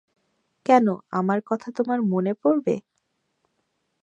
কেন, আমার কথা তোমার মনে পড়বে?